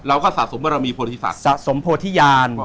เราก็สะสมบรรวมีโพธิศัทร์สะสมโผธิยาน